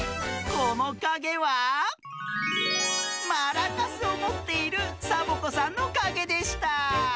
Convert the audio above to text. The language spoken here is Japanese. このかげはマラカスをもっているサボ子さんのかげでした！